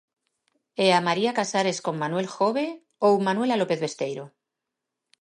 E a María Casares con Manuel Jove ou Manuela López Besteiro?